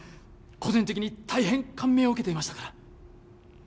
個人的に大変感銘を受けていましたから